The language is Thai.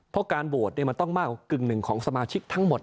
เพราะการโหวตมันต้องมากกว่ากึ่งหนึ่งของสมาชิกทั้งหมด